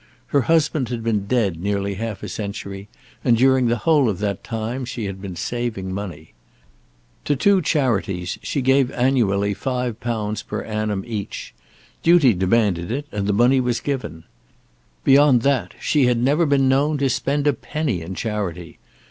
Her husband had been dead nearly half a century and during the whole of that time she had been saving money. To two charities she gave annually £5 per annum each. Duty demanded it, and the money was given. Beyond that she had never been known to spend a penny in charity.